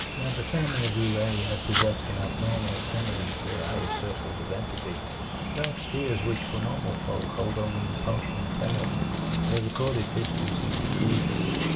That the family of Roulet had possessed an abnormal affinity for outer circles of entity dark spheres which for normal folk hold only repulsion and terror their recorded history seemed to prove.